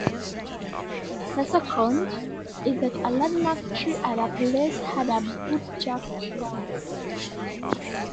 The second, is that a landmark tree at the place had a bootjack shape.